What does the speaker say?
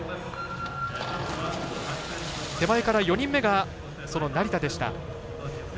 手前から４人目が成田でした。